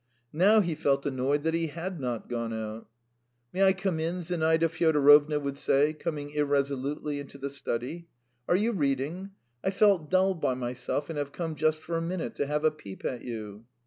Now he felt annoyed that he had not gone out. "May I come in?" Zinaida Fyodorovna would say, coming irresolutely into the study. "Are you reading? I felt dull by myself, and have come just for a minute ... to have a peep at you."